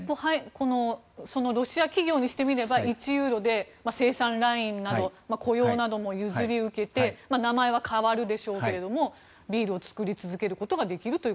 ロシア企業にしてみれば１ユーロで生産ラインなど雇用なども譲り受けて名前は変わるでしょうけどもビールを造り続けることができると。